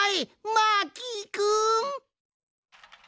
マーキーくん！